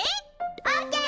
オッケー！